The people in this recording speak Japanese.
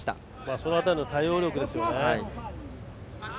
その辺りの対応力ですね。